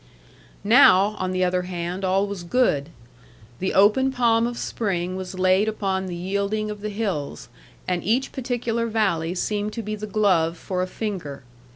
Now, on the other hand, all was good. The open palm of spring was laid upon the yielding of the hills; and each particular valley seemed to be the glove for a finger.